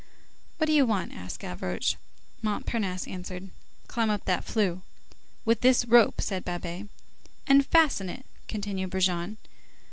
"What do you want?" asked Gavroche. Montparnasse answered:— "Climb up that flue." "With this rope," said Babet. "And fasten it," continued Brujon.